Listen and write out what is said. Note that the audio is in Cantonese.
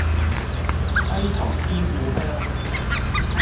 低頭思故鄉